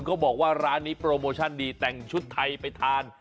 เขาบอกว่าร้านนี้โปรโมชั่นดีแต่งชุดไทยไปทาน